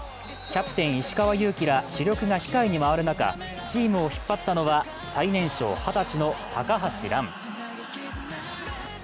キャプテン・石川祐希ら主力が控えに回る中、チームを引っ張ったのは、最年少、２０歳の高橋藍。